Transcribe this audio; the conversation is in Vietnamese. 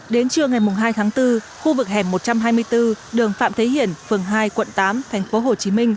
đến trưa ngày hai tháng bốn khu vực hẻm một trăm hai mươi bốn đường phạm thế hiển phường hai quận tám tp hcm